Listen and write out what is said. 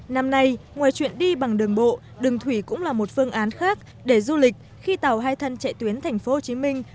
năm nay ngoài chuyện đi bằng đường bộ đường thủy cũng là một phương án khác để du lịch khi tàu hai thân chạy tuyến thành phố hồ chí minh